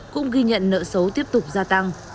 cũng ghi nhận nợ xấu tiếp tục gia tăng